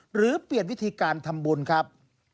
หรือเปลี่ยนวิธีการทำบุญครับ